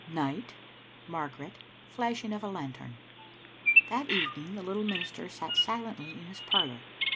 NIGHT— MARGARET— FLASHING OF A LANTERN. That evening the little minister sat silently in his parlour.